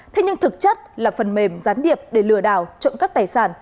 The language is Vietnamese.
thế nhưng thực chất là phần mềm gián điệp để lừa đảo trộm cắp tài sản